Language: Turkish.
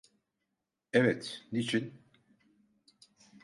Evet, niçin?